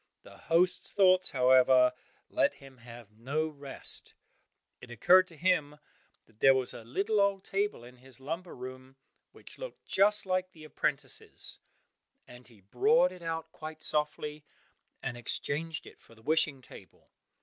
The host's thoughts, however, let him have no rest; it occurred to him that there was a little old table in his lumber room which looked just like the apprentice's and he brought it out quite softly, and exchanged it for the wishing table.